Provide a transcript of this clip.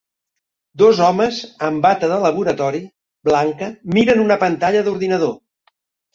Dos homes amb bata de laboratori blanca miren una pantalla d'ordinador